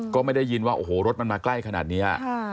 ก็ไม่ได้ยินว่าโอ้โหรถมันมาใกล้ขนาดนี้